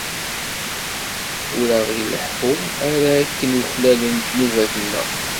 Ur aɣ-ileḥḥu ara akken uklalen ddnubat-nneɣ.